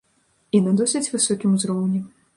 І на досыць высокім узроўні.